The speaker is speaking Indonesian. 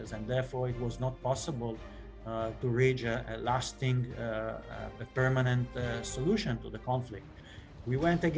sehingga dia tidak berhasil untuk memberikan penyelesaian ke konflik yang panjang